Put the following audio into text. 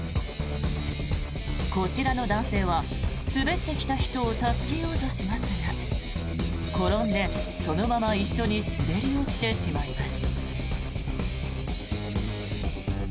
こちらの男性は滑ってきた人を助けようとしますが転んで、そのまま一緒に滑り落ちてしまいます。